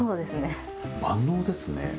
万能ですね。